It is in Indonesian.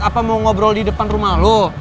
apa mau ngobrol di depan rumah lo